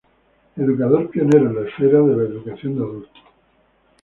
Educador pionero en la esfera de la educación de adultos.